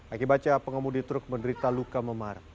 akibatnya pengemudi truk menderita luka memar